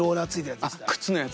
え靴のやつ？